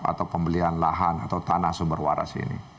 atau pembelian lahan atau tanah sumber waras ini